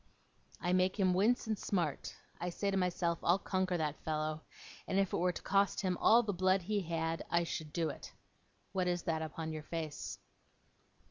'I make him wince, and smart. I say to myself, "I'll conquer that fellow"; and if it were to cost him all the blood he had, I should do it. What is that upon your face?